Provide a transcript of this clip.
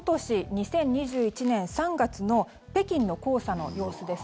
２０２１年３月の北京の黄砂の様子です。